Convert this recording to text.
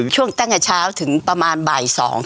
ช่วงตั้งแต่เช้าถึงประมาณบ่ายสอง